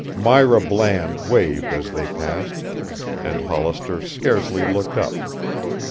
Myra Bland waved as they passed, and Hollister scarcely looked up.